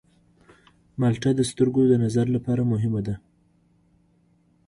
مالټه د سترګو د نظر لپاره مهمه ده.